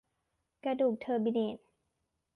กระดูกเทอร์บิเนต